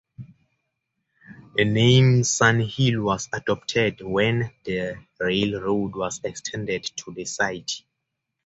The name Sun Hill was adopted when the railroad was extended to the site.